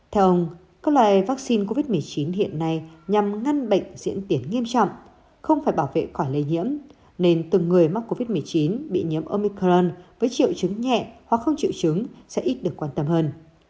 theo ông các loại vaccine covid một mươi chín hiện nay nhằm ngăn bệnh diễn tiến nghiêm trọng không phải bảo vệ khỏi lây nhiễm nên từng người mắc covid một mươi chín bị nhiễm omicron với triệu chứng nhẹ hoặc không chịu chứng sẽ ít được quan tâm hơn